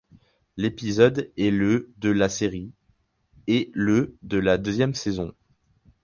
L'épisode est le de la série, et le de la deuxième saison.